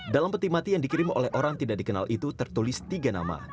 dalam peti mati yang dikirim oleh orang tidak dikenal itu tertulis tiga nama